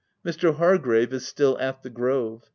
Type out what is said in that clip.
Mr. Hargrave is still at the Grove.